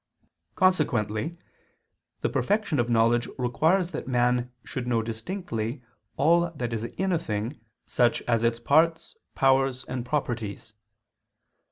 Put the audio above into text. Consequently the perfection of knowledge requires that man should know distinctly all that is in a thing, such as its parts, powers, and properties.